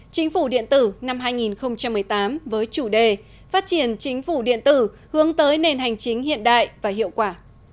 chính phủ điện tử năm hai nghìn một mươi tám với chủ đề phát triển chính phủ điện tử hướng tới nền hành chính hiện đại và hiệu quả